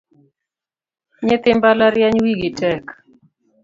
Nyithi mbalariany wigi tek